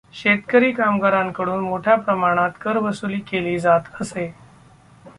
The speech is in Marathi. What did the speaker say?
शेतकरी, कामगारांकडून मोठ्या प्रमाणात करवसुली केली जात असे.